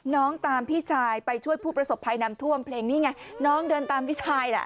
น้องตามพี่ชายไปช่วยผู้ประสบภัยนำท่วมเพลงนี้ไงน้องเดินตามพี่ชายแหละ